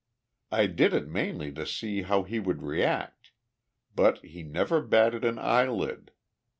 I did it mainly to see how he would react. But he never batted an eyelid.